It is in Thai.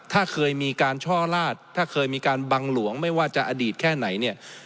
ถ้าเคยมีการช่อลาดถ้าเคยมีการบังหลวงไม่ว่าจะอดีตแค่ไหนเนี่ย